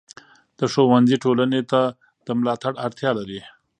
د ښوونځي ټولنې ته د ملاتړ اړتیا لري.